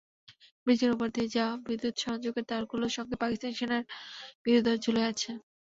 ব্রিজের ওপর দিয়ে যাওয়া বিদ্যুৎ–সংযোগের তারগুলোর সঙ্গে পাকিস্তানি সেনার মৃতদেহ ঝুলে আছে।